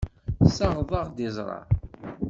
Tessaɣeḍ-aɣ-d iẓra.